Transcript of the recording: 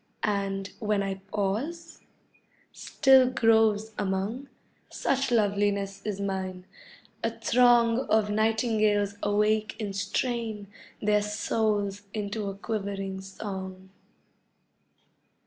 And, when I pause, still groves among, (Such loveliness is mine) a throng Of nightingales awake and strain Their souls into a quivering song.